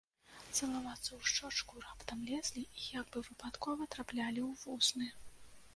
Цалавацца ў шчочку раптам лезлі і, як бы выпадкова, траплялі ў вусны.